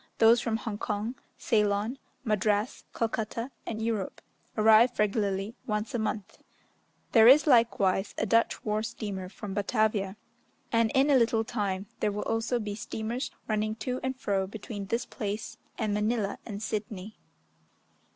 Those from Hong Kong, Ceylon, Madras, Calcutta, and Europe arrive regularly once a month; there is likewise a Dutch war steamer from Batavia, and in a little time there will also be steamers running to and fro between this place, and Manilla and Sidney.